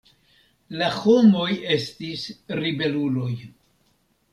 La homoj estis ribeluloj.